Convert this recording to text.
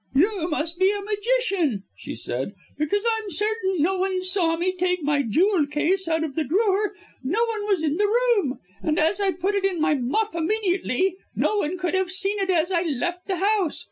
"You must be a magician," she said, "because I'm certain no one saw me take my jewel case out of the drawer no one was in the room! And as I put it in my muff immediately, no one could have seen it as I left the house.